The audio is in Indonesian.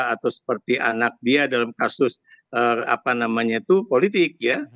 atau seperti anak dia dalam kasus apa namanya itu politik ya